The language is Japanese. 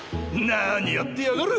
何やってやがる。